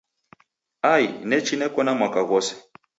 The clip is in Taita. Ai nachi neko na mwaka ghose!